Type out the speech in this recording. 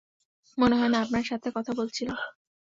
মনে হয় না আপনার সাথে কথা বলছিলাম।